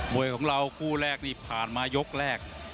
วยของเราคู่แรกนี่ผ่านมายกแรก